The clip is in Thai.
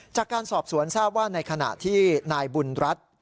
จากการสอบสวนทราบว่าในขณะที่นายบุญรัฐ